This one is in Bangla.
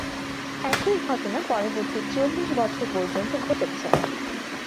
একই ঘটনা পরবর্তী চল্লিশ বছর পর্যন্ত ঘটেছে।